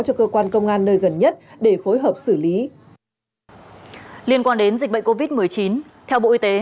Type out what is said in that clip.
cho cơ quan công an nơi gần nhất để phối hợp xử lý liên quan đến dịch bệnh covid một mươi chín theo bộ y tế